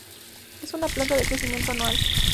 Es una planta de crecimiento anual.